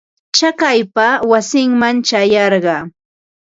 Chakaypa wasiiman ćhayarqaa.